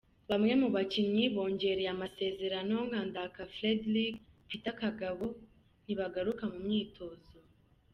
Bamwe mu bakinnyi bongereye amasezerano nka Ndaka Frederick, Peter Kagabo ntibaragaruka mu myitozo.